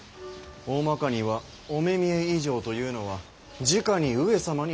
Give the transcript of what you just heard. おおまかには御目見以上というのはじかに上様にお仕えする者たち